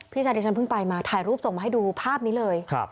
พี่ชายที่ฉันเพิ่งไปมาถ่ายรูปส่งมาให้ดูภาพนี้เลย